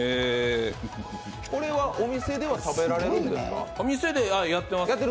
これはお店では食べられるんですか？